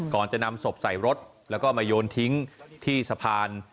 ก่อนจะนำศพใส่รถแล้วก็มาโยนทิ้งที่สะพาน